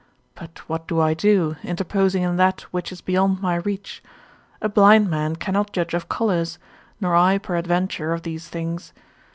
But what do I do, interposing in that which is beyond my reach? A blind man cannot judge of colours, nor I peradventure of these things.